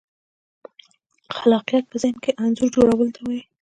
خلاقیت په ذهن کې انځور جوړولو ته وایي.